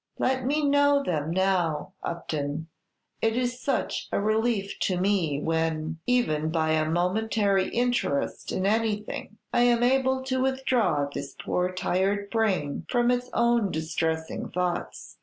"Let me know them now, Upton; it is such a relief to me when, even by a momentary interest in anything, I am able to withdraw this poor tired brain from its own distressing thoughts."